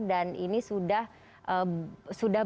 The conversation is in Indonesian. dan ini sudah